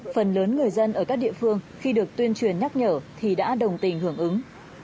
phần lớn người dân ở các địa phương khi được tuyên truyền nhắc nhở thì đã đồng tình hưởng ứng